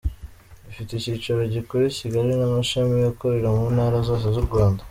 Ifite icyicaro gikuru I Kigali namashami akorera mu ntara zose zu Rwanda.